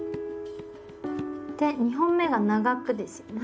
で２本目が長くですよね。